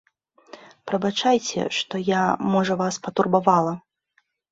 Прабачайце, што я, можа, вас патурбавала.